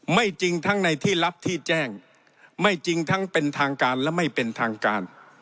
จริงทั้งในที่ลับที่แจ้งไม่จริงทั้งเป็นทางการและไม่เป็นทางการ